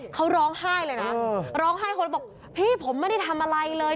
เขาร้องไห้เลยนะร้องไห้คนบอกพี่ผมไม่ได้ทำอะไรเลย